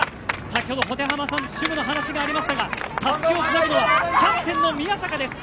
先ほど保手濱さん主務の話がありましたがたすきをつなぐのはキャプテンの宮坂です。